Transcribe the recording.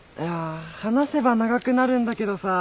話せば長くなるんだけどさ。